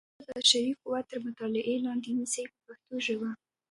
د اړتیا وړ بشري قوت تر مطالعې لاندې نیسي په پښتو ژبه.